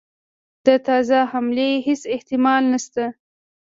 د تازه حملې هیڅ احتمال نسته.